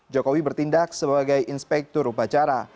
jokowi bertindak sebagai inspektur upacara